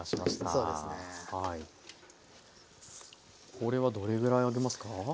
これはどれぐらい揚げますか？